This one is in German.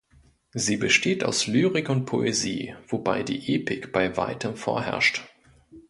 Sie besteht aus Lyrik und Poesie, wobei die Epik bei weitem vorherrscht.